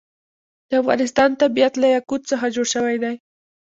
د افغانستان طبیعت له یاقوت څخه جوړ شوی دی.